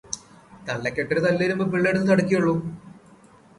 തള്ളക്കിട്ടൊരു തല്ലു വരുമ്പോൾ പിള്ളയെടുത്തു തടുക്കേയുള്ളൂ.